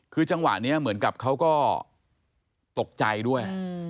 คือจังหวะนี้เหมือนกับเขาก็ตกใจด้วย